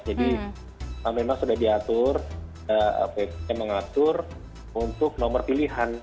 jadi memang sudah diatur ppt mengatur untuk nomor pilihan